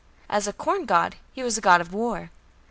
As a corn god, he was a god of war.